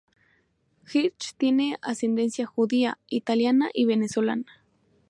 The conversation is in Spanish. Hirsch tiene ascendencia judía, italiana y venezolana.